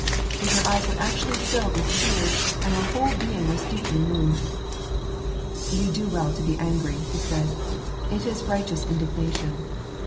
Yet her eyes were actually filled with tears and her whole being was deeply moved. "You do well to be angry," he said; "it is righteous indignation.